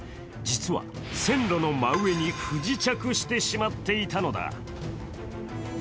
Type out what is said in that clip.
実は線路の真上に不時着してしまっていたのだ。